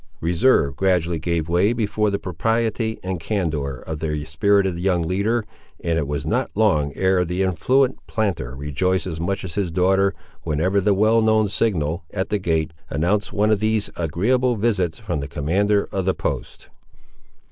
Reserve gradually gave way before the propriety and candour of their spirited young leader, and it was not long ere the affluent planter rejoiced as much as his daughter, whenever the well known signal, at the gate, announced one of these agreeable visits from the commander of the post.